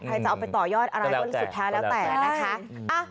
จะเอาไปต่อยอดอะไรก็สุดแท้แล้วแต่นะคะ